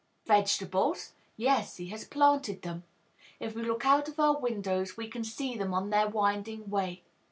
Vegetables? Yes, he has planted them. If we look out of our windows, we can see them on their winding way.